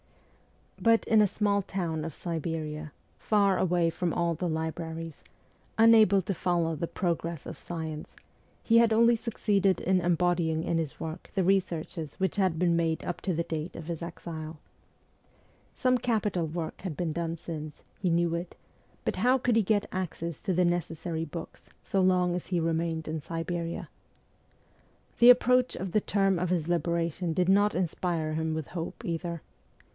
But in a small town of Siberia, far away from all the libraries, unable to follow the progress of science, he had only succeeded in embodying in his work the researches which had been done up to the date of his exile. Some capital work had been done since he knew it but how could he get access to the neces sary books so long as he remained in Siberia ? The approach of the term of his liberation did not inspire him with hope either.